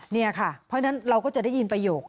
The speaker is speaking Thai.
นี่ค่ะเพราะฉะนั้นเราก็จะได้ยินประโยค